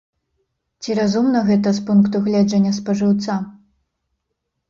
Ці разумна гэта з пункту гледжання спажыўца?